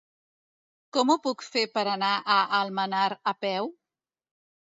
Com ho puc fer per anar a Almenar a peu?